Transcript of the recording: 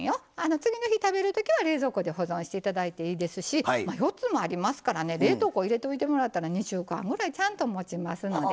次の日食べる時は冷蔵庫で保存して頂いていいですし４つもありますからね冷凍庫入れといてもらったら２週間ぐらいちゃんともちますのでね。